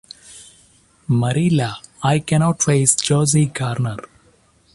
Marilla, I cannot face Josie Garner.